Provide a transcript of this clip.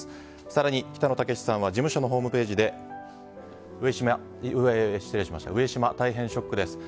更に、北野武さんは事務所のホームページで上島、大変ショックです。